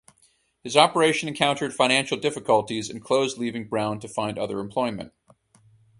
His operation encountered financial difficulties and closed leaving Brown to find other employment.